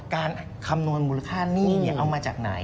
คำนวณมูลค่าหนี้เอามาจากไหน